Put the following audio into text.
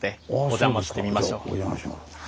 お邪魔します。